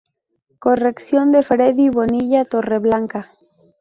Corrección de Freddy Bonilla Torreblanca.